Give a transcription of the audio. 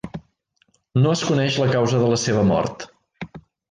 No es coneix la causa de la seva mort.